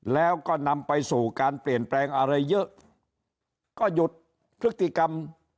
แล้วก็นำไปสู่การเปลี่ยนแปลงอะไรเยอะก็หยุดพฤติกรรม